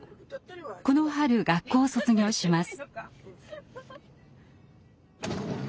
この春学校を卒業します。